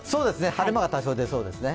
晴れ間が多少、出そうですね。